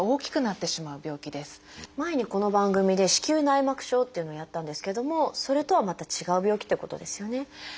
前にこの番組で「子宮内膜症」っていうのをやったんですけどもそれとはまた違う病気っていうことですよね。